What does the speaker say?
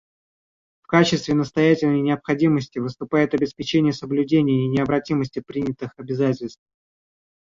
В качестве настоятельной необходимости выступает обеспечение соблюдения и необратимости принятых обязательств.